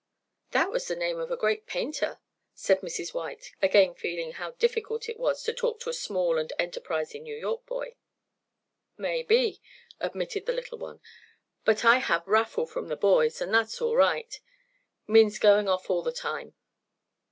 "That was the name of a great painter," said Mrs. White, again feeling how difficult it was to talk to a small and enterprising New York boy. "Maybe," admitted the little one, "but I have Raffle from the boys, and that's all right. Means going off all the time."